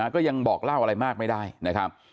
ก็ยังบอกเล่าอะไรมากไม่ได้นะครับ